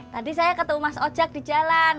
tadi saya ketemu mas ojek di jalan